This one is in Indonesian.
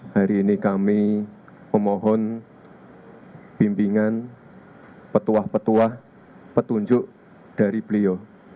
hari ini kami memohon bimbingan petua petua petunjuk dari beliau